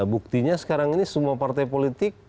buktinya sekarang ini semua partai politik